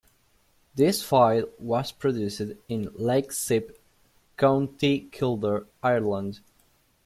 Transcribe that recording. This file was produced in Leixlip, County Kildare, Ireland.